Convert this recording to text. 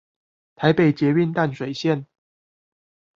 臺北捷運淡水線